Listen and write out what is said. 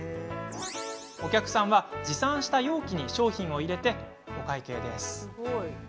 お客さんは持参した容器に商品を入れてもらってお会計。